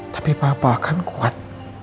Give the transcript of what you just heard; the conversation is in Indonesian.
tapi papa akan kuat